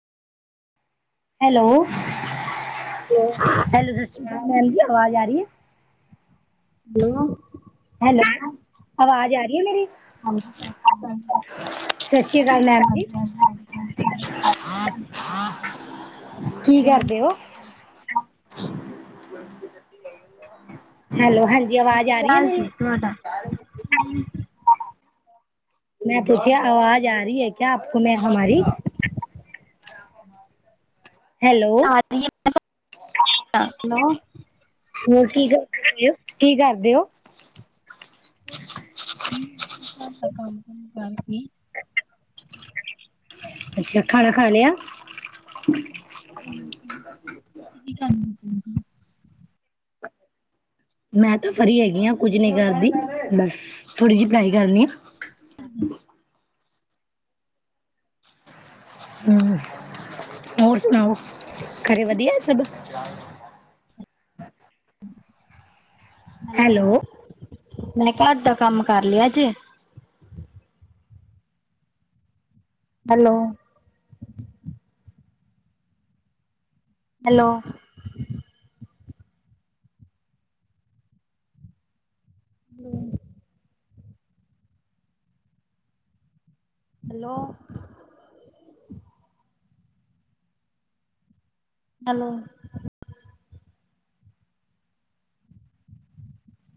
Hello hello hello ਸਤਿ ਸ਼੍ਰੀ ਅਕਾਲ ਜੀ ਆਵਾਜ਼ ਆ ਰਹੀ ਹੈ। ਹੈਲੋ ਹੈਲੋ ਆਵਾਜ਼ ਆ ਰਹੀ ਹੈ ਮੇਰੀ। ਹਾਂਜੀ ਸਤਿ ਸ੍ਰੀ ਅਕਾਲ ਜੀ ਸਤਿ ਸ਼੍ਰੀ ਅਕਾਲ ਮੈਡਮ ਜੀ ਹਾਂਜੀ ਹਾਂਜੀ ਕੀ ਕਰਦੇ ਹਾਂਜੀ ਹੋ? ਹੈਲੋ ਹਾਂਜੀ। ਬ ਆਵਾਜ਼ ਆ ਕੀ ਰਹੀ ਹੈ ਹਾਲ ਮੇਰੀ ਜੀ ਤੁਹਾਡਾ ਮੈਂ ਪੁੱਛਿਆ ਆਵਾਜ਼ ਆ ਰਹੀ ਹੈ ਕਿਆ ਆਪਕ ਮੈਂ ਹਮਾਰੀ? ਹੈਲੋ ਆ ਰ ਹੈਲੋ। ਹੋਰ ਕੀ ਕਰਦੇ ਹੋ ਕੀ ਕਰਦੇ ਹੋ। ਇਹੀਓ ਘਰ ਦਾ ਕੰਮ ਕਰਕੇ। ਅੱਛਾ ਖਾਣਾ ਖਾ ਲਿਆ? ਹਾਂ ਤੁਸੀਂ ਕੀ ਕਰਦੇ ਪਏ ਸੀ? ਮੈਂ ਤਾਂ ਫਰੀ ਹੈਗੀ ਹਾਂ ਕੁੱਝ ਨਹੀਂ ਕਰਦੀ ਬਸ ਥੋੜ੍ਹੀ ਜਿਹੀ ਪੜ੍ਹਾਈ ਕਰਨੀ ਆ। [unintelligible] ਹਮ ਹੋਰ ਸੁਣਾਓ ਖਰੇ ਵਧੀਆ ਸਭ? ਹੈਲੋ ਮੈਂ ਘਰ ਦਾ ਕੰਮ ਕਰ ਲਿਆ ਅਜੇ। ਹੈਲੋ। ਹੈਲੋ। [unintelligible] ਹੈਲੋ। ਹੈਲੋ।